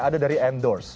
ada dari endorse